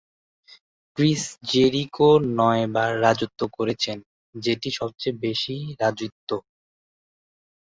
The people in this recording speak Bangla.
ক্রিস জেরিকো নয়বার রাজত্ব করেছেন, যেটি সবচেয়ে বেশি রাজিত্ব।